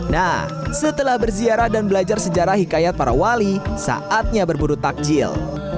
nah setelah berziarah dan belajar sejarah hikayat para wali saatnya berburu takjil